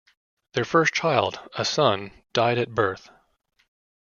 Their first child, a son, died at birth.